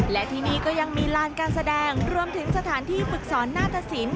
และที่นี่ก็ยังมีลานการแสดงรวมถึงสถานที่ฝึกสอนหน้าตะสิน